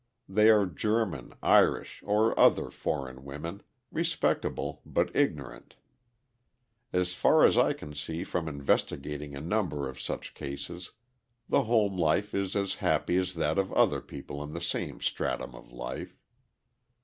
They are German, Irish, or other foreign women, respectable, but ignorant. As far as I can see from investigating a number of such cases, the home life is as happy as that of other people in the same stratum of life.